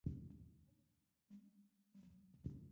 خپل زوى کبير يې ولېد.